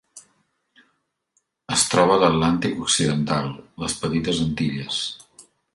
Es troba a l'Atlàntic occidental: les Petites Antilles.